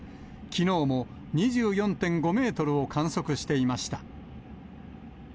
きのうも２４．５メートルを観測していました。